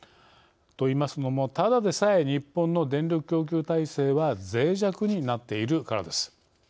といいますのも、ただでさえ日本の電力供給体制はぜい弱になっているからです。